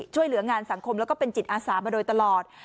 ช่วยเหลืองานสังคมแล้วก็เป็นจิตอาสามาโดยตลอด